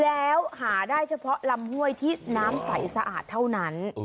แล้วหาได้เฉพาะลำห้วยที่น้ำใสสะอาดเท่านั้น